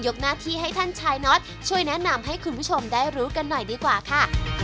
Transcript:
หน้าที่ให้ท่านชายน็อตช่วยแนะนำให้คุณผู้ชมได้รู้กันหน่อยดีกว่าค่ะ